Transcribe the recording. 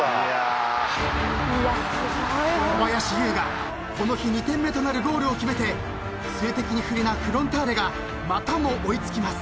［小林悠がこの日２点目となるゴールを決めて数的に不利なフロンターレがまたも追い付きます］